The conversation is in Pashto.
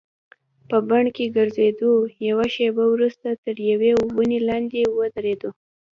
په بڼ کې ګرځېدو، یوه شیبه وروسته تر یوې ونې لاندې ودریدو.